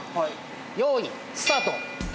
用意スタート！